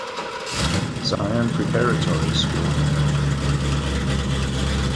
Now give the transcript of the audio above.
Zion Preparatory School in Maryland.